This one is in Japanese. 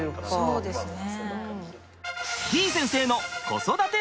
そうですね。